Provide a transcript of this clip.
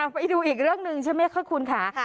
ไปดูอีกเรื่องหนึ่งใช่ไหมคะคุณค่ะ